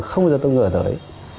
không bao giờ tôi ngờ tới